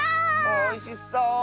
おいしそう！